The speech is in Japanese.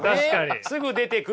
すぐ出てくるのに。